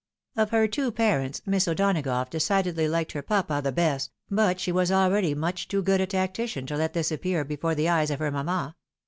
Of her two parents, Miss O'Donagough decidedly liked her papa the best ; but she was already much too good a tactician to let this appear before the eyes of her mamma.